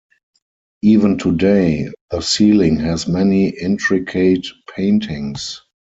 Even today, the ceiling has many intricate paintings.